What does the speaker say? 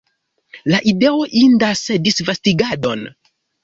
La ideo indas disvastigadon!